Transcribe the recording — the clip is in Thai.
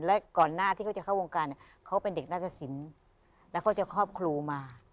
และก่อนหน้าที่เขาจะเข้าวงการเขาเป็นเด็กนาฏศิลป์แล้วเขาจะครอบครูมา